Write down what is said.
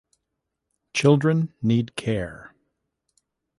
Children need care.